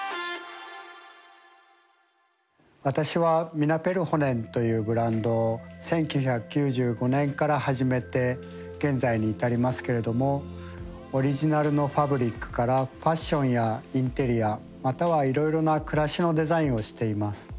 私は「ミナペルホネン」というブランドを１９９５年から始めて現在に至りますけれどもオリジナルのファブリックからファッションやインテリアまたはいろいろな暮らしのデザインをしています。